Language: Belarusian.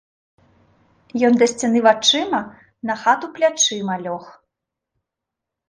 Ён да сцяны вачыма, на хату плячыма лёг.